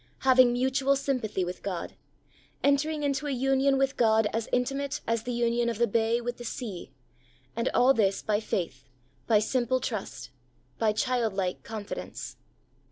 Having mutual sympathy with God — entering into a union with God as intimate as the union of the bay with the sea; and all this by faith, by simple trust, by childlike confidence.